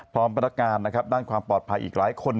พร้อมพันธการด้านความปลอดภัยอีกหลายคน